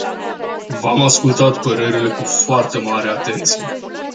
V-am ascultat părerile cu foarte mare atenție.